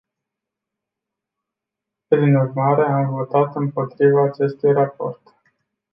Prin urmare, am votat împotriva acestui raport.